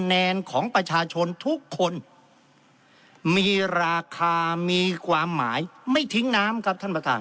แนนของประชาชนทุกคนมีราคามีความหมายไม่ทิ้งน้ำครับท่านประธาน